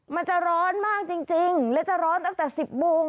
มันจะร้อนมากจริงและจะร้อนตั้งแต่๑๐โมง